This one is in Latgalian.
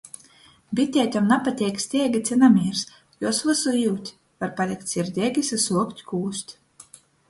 Biteitem napateik steiga ci namīrs, juos vysu jiut, var palikt sirdeigys i suokt kūst.